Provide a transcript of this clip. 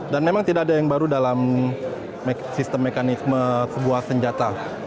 dan memang tidak ada yang baru dalam sistem mekanisme sebuah senjata